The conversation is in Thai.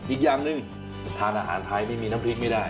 อีกอย่างหนึ่งทานอาหารไทยไม่มีน้ำพริกไม่ได้